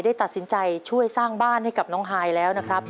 ได้ตัดสินใจช่วยสร้างบ้านให้กับน้องฮายแล้วนะครับ